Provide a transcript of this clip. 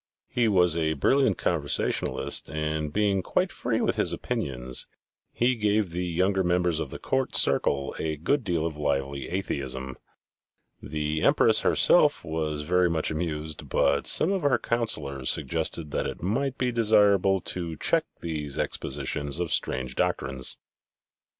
He was a brilliant conversationalist and being quite free with his opinions, he gave the younger members of the court circle a good deal of lively atheism. The Empress herself was very much amused, but some of her councillors suggested that it might be desirable to check these expositions of strange doctrines.